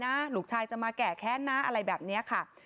หลุกชายนะหลุกชายจะมาแก่แค้นนะอะไรแบบนี้ค่ะ